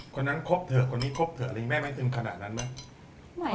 คนนั้นคบเถอะคนนี้คบเถอะแม่ไม่ถึงขนาดนั้นไหม